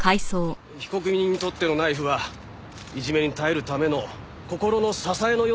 被告人にとってのナイフはいじめに耐えるための心の支えのようなものでした。